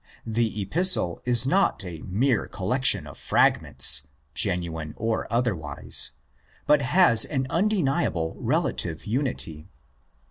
The Epistle is not a mere collection of fragments—genuine or otherwise—but has an undeniable relative unity.